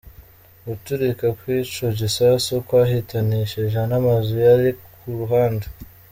Guturika kw'ico gisasu kwahitanishije n'amazu yari ku ruhande.